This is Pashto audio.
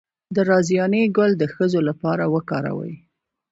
د رازیانې ګل د ښځو لپاره وکاروئ